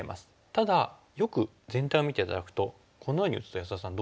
ただよく全体を見て頂くとこのように打つと安田さんどうですか？